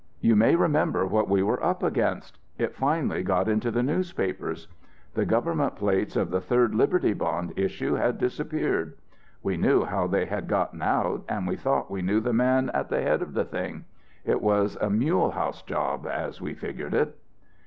You may remember what we were up against; it finally got into the newspapers. "The government plates of the Third Liberty Bond issue had disappeared. We knew how they had gotten out and we thought we knew the man at the head of the thing. It was a Mulehaus job, as we figured it.